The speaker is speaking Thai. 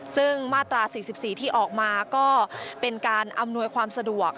ซึ่งมาตรา๔๔ที่ออกมาก็เป็นการอำนวยความสะดวก